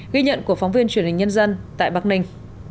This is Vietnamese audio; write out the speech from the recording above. ghi nhận của phóng viên truyền hình nhân dân tại bắc ninh